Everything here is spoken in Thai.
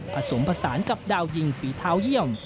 ผสมผสานกับดาวยิงฝีเท้าเยี่ยม